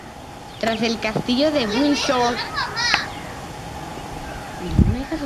Tras el Castillo de Windsor, es el segundo mayor castillo habitado de Inglaterra.